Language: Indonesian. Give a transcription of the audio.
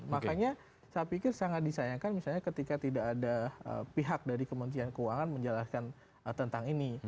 makanya saya pikir sangat disayangkan misalnya ketika tidak ada pihak dari kementerian keuangan menjelaskan tentang ini